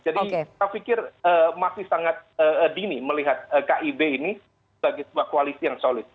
jadi saya pikir masih sangat dini melihat kib ini sebagai sebuah koalisi yang solid